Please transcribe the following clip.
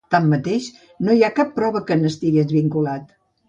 Tanmateix, no hi ha cap prova que n'estigués vinculat.